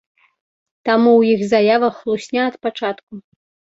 Таму ў іх заявах хлусня ад пачатку.